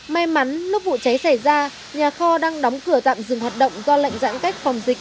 may mắn lúc vụ cháy xảy ra nhà kho đang đóng cửa tạm dừng hoạt động do lệnh giãn cách phòng dịch